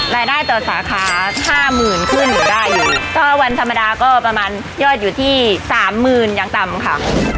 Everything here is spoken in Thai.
รายได้ต่อสาขาห้าหมื่นขึ้นได้อยู่ก็วันธรรมดาก็ประมาณยอดอยู่ที่สามหมื่นอย่างต่ำค่ะ